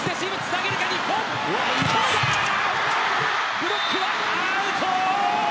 ブロックはアウト！